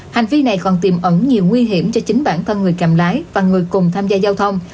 hành vi này còn tiềm ẩn nhiều nguy hiểm cho chính bản thân người cầm lái và người cùng tham gia giao thông